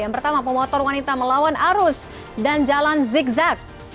yang pertama pemotor wanita melawan arus dan jalan zigzag